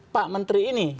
pak menteri ini